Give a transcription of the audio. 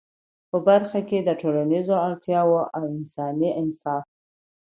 په برخه کي د ټولنیزو اړتیاوو او انساني انصاف